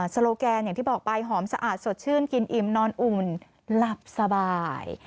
โลแกนอย่างที่บอกไปหอมสะอาดสดชื่นกินอิ่มนอนอุ่นหลับสบาย